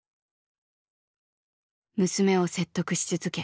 娘を説得し続け